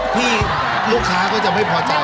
ที่ลูกค้าก็จะไม่พอใจ